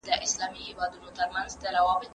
تر ټولو ښه کتاب مي پيدا کړ.